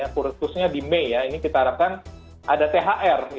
kursusnya di mei ini kita harapkan ada thr